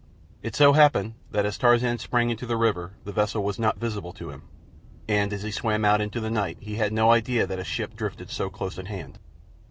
It so happened that as Tarzan sprang into the river the vessel was not visible to him, and as he swam out into the night he had no idea that a ship drifted so close at hand.